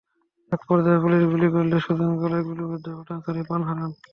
একপর্যায়ে পুলিশ গুলি করলে সুজন গলায় গুলিবিদ্ধ হয়ে ঘটনাস্থলেই প্রাণ হারান।